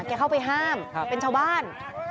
เข้าไปห้ามเป็นชาวบ้าน